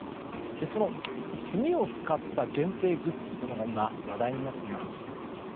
その炭を使った限定グッズが今、話題になっています。